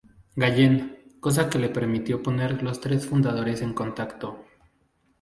Gallen, cosa que le permitió poner los tres fundadores en contacto.